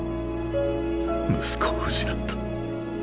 息子を失った。